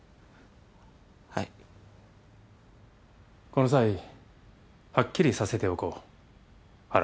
この際はっきりさせておこう原。